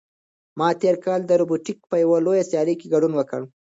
ما تېر کال د روبوټیک په یوه لویه سیالۍ کې ګډون وکړ.